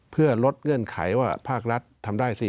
เพื่อลดเงื่อนไขว่าภาครัฐทำได้สิ